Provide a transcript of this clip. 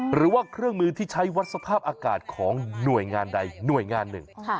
หรือว่าเครื่องมือที่ใช้วัดสภาพอากาศของหน่วยงานใดหน่วยงานหนึ่ง